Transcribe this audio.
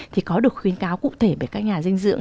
thì có được khuyến cáo cụ thể bởi các nhà dinh dưỡng